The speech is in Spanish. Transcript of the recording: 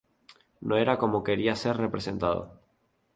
No era como quería ser representado.